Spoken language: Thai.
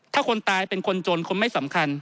ถ้าคนตายเป็นคนจนคนไม่สำคัญ